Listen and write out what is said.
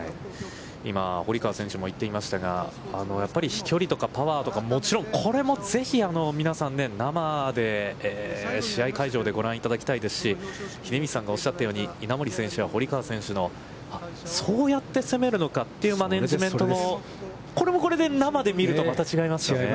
今、堀川選手も言っていましたが、やっぱり飛距離とか、パワーとか、もちろんこれもぜひ皆さん、生で試合会場でご覧いただきたいですし、秀道さんがおっしゃったように、稲森選手や、堀川選手の、そうやって攻めるのかというマネジメントもこれもこれで生で見ると、また違いますよね。